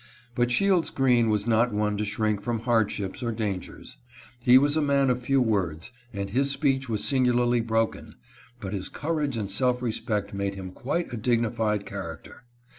But Shields Green was not one to shrink from hardships or dangers. He was a man of few words, and his speech was singularly broken ; but his courage and self respect made him quite a dignified character.